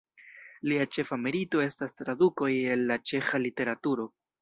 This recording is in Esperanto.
Lia ĉefa merito estas tradukoj el la ĉeĥa literaturo.